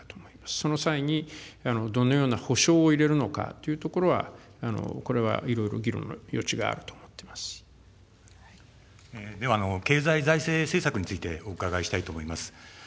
その際に、どのような補償を入れるのかというところは、これは、いろいろ議論の余地があると思っでは経済・財政政策についてお伺いしたいと思います。